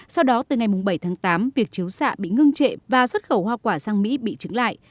sau đó từ ngày bảy tháng tám việc chiếu xạ bị ngưng trệ và xuất khẩu hoa quả sang mỹ bị chứng lại